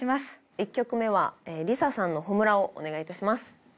１曲目はＬｉＳＡさんの「炎」をお願いいたします